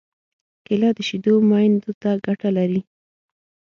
کېله د شېدو میندو ته ګټه لري.